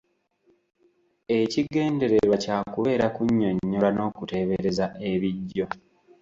Ekigendererwa kya kubeera kunnyonnyola n’okuteebereza ebijjo.